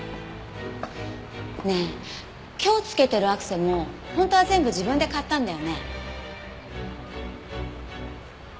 ねえ今日着けてるアクセも本当は全部自分で買ったんだよね？